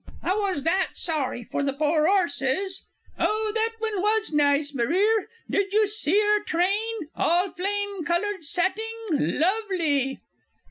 I was that sorry for the poor 'orses!... Oh, that one was nice, Marire! Did you see 'er train? all flame coloured satting _lovely!